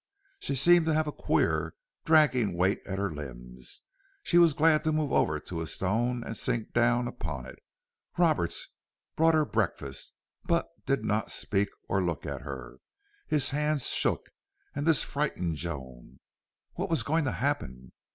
She seemed to have a queer, dragging weight at her limbs. She was glad to move over to a stone and sink down upon it. Roberts brought her breakfast, but he did not speak or look at her. His hands shook. And this frightened Joan. What was going to happen?